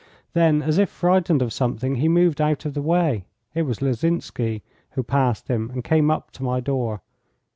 Then, as if frightened of something, he moved out of the way. It was Lozinsky, who passed him and came up to my door.